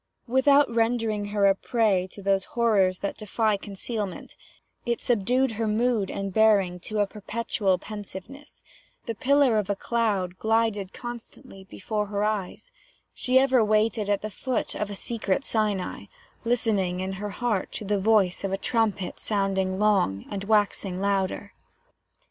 Without rendering her a prey to those horrors that defy concealment, it subdued her mood and bearing to a perpetual pensiveness; the pillar of a cloud glided constantly before her eyes; she ever waited at the foot of a secret Sinai, listening in her heart to the voice of a trumpet sounding long and waxing louder.